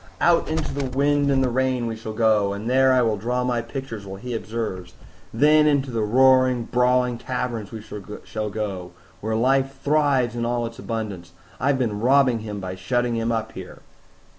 "Out into the wind and the rain we shall go, and there I will draw my pictures while he observes; then into the roaring, brawling taverns we shall go, where life thrives in all its abundance. I've been robbing him by shutting him up here."